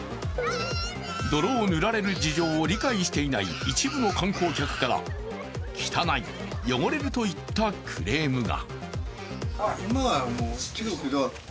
泥を塗られる事情を理解していない一部の観光客から汚い、汚れるといったクレームが。